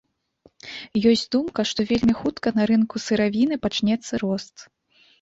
Ёсць думка, што вельмі хутка на рынку сыравіны пачнецца рост.